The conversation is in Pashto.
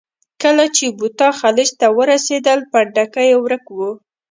کله چې بوتا خلیج ته ورسېدل، پنډکی یې ورک و.